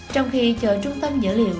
trong khi chợ trung tâm dữ liệu